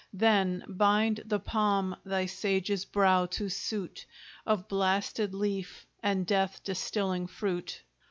Then bind the palm, thy sage's brow to suit, Of blasted leaf and death distilling fruit.